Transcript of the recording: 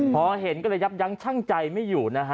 พอเห็นก็เลยยับยั้งชั่งใจไม่อยู่นะฮะ